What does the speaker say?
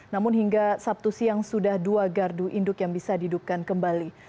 namun hingga sabtu siang sudah dua gardu induk yang bisa dihidupkan kembali